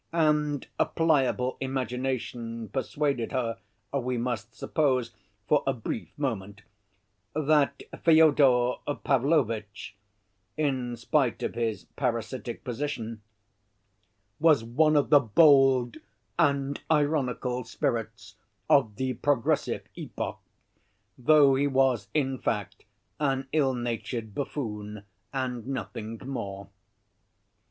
And a pliable imagination persuaded her, we must suppose, for a brief moment, that Fyodor Pavlovitch, in spite of his parasitic position, was one of the bold and ironical spirits of that progressive epoch, though he was, in fact, an ill‐natured buffoon and nothing more.